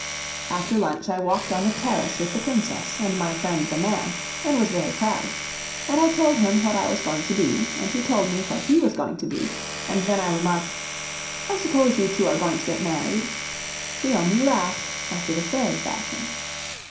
After lunch I walked on the terrace with the Princess and my friend the Man, and was very proud. And I told him what I was going to be, and he told me what he was going to be; and then I remarked, "I suppose you two are going to get married?" He only laughed, after the Fairy fashion.